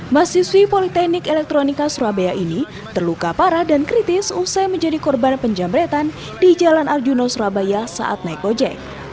mahasiswi politeknik elektronika surabaya ini terluka parah dan kritis usai menjadi korban penjamretan di jalan arjuna surabaya saat naik ojek